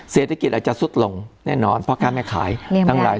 เศรษฐกิจอาจจะสุดลงแน่นอนพ่อค้าแม่ขายทั้งหลาย